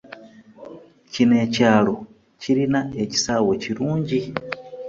Kino ekyalo kirina ekisaawe kirungi.